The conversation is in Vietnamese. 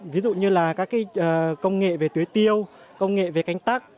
ví dụ như là các cái công nghệ về tưới tiêu công nghệ về canh cây